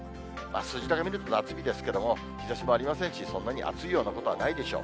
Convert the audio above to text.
数字だけ見ると夏日ですけれども、日ざしもありませんし、そんなに暑いようなことはないでしょう。